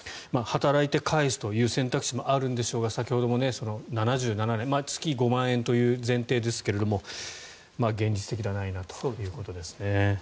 働いて返すという選択肢もあるんですが先ほども７７年月５万円という前提ですが現実的ではないなということですね。